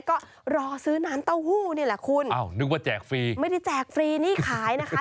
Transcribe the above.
ก็รอซื้อน้ำเต้าหู้นี่แหละคุณอ้าวนึกว่าแจกฟรีไม่ได้แจกฟรีนี่ขายนะคะ